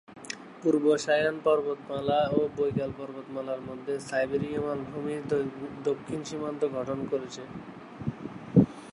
পূর্ব Sayan পর্বতমালা এবং Baikal পর্বতমালা মধ্য সাইবেরীয় মালভূমির দক্ষিণ সীমান্ত গঠন করেছে।